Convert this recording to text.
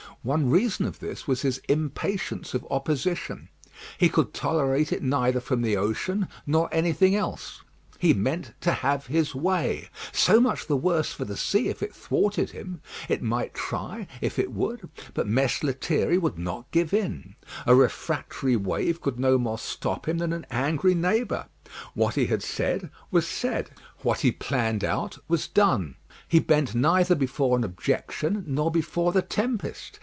One reason of this was his impatience of opposition. He could tolerate it neither from the ocean nor anything else. He meant to have his way; so much the worse for the sea if it thwarted him. It might try, if it would, but Mess Lethierry would not give in. A refractory wave could no more stop him than an angry neighbour. What he had said was said; what he planned out was done. He bent neither before an objection nor before the tempest.